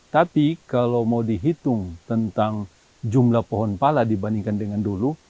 tapi kalau mau dihitung tentang jumlah pohon pala dibandingkan dengan dulu